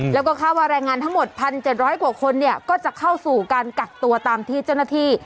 แล้วก็คาดว่าแรงงานทั้งหมด๑๗๐๐กว่าคนเนี่ยก็จะเข้าสู่การกักตัวตามที่เจ้าหน้าที่